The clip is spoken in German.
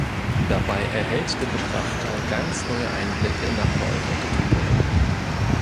Dabei erhält der Betrachter ganz neue Einblicke in Abläufe und Entwicklungen.